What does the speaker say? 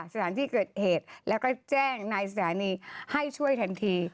สถานที่เกิดเหตุแล้วก็แจ้งนายสถานีให้ช่วยทันที